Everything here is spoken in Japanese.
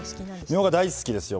みょうが大好きですよ。